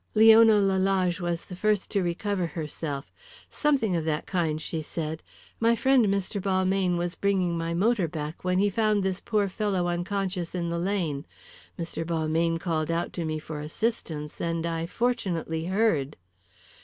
Leona Lalage was the first to recover herself. "Something of that kind," she said. "My friend Mr. Balmayne was bringing my motor back when he found this poor fellow unconscious in the lane. Mr. Balmayne called out to me for assistance and I fortunately heard."